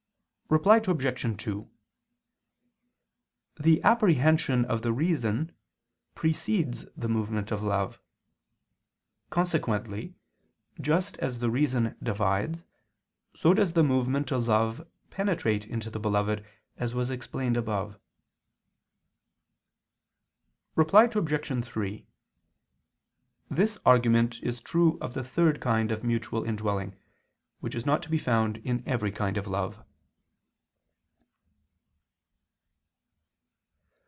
Reply Obj. 2: The apprehension of the reason precedes the movement of love. Consequently, just as the reason divides, so does the movement of love penetrate into the beloved, as was explained above. Reply Obj. 3: This argument is true of the third kind of mutual indwelling, which is not to be found in every kind of love.